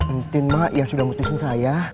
entin mak ya sudah putusin saya